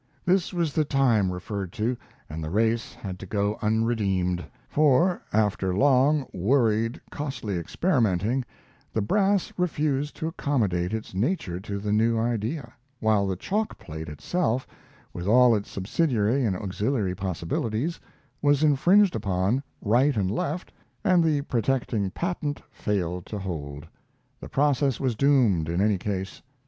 This was the time referred to and the race had to go unredeemed; for, after long, worried, costly experimenting, the brass refused to accommodate its nature to the new idea, while the chalk plate itself, with all its subsidiary and auxiliary possibilities, was infringed upon right and left, and the protecting patent failed to hold. The process was doomed, in any case.